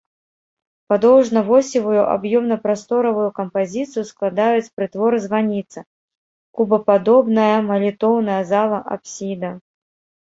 Падоўжна-восевую аб'ёмна-прасторавую кампазіцыю складаюць прытвор-званіца, кубападобная малітоўная зала, апсіда.